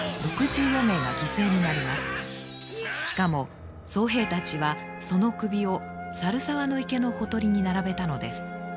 しかも僧兵たちはその首を猿沢の池のほとりに並べたのです。